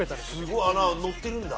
すごい載ってるんだ。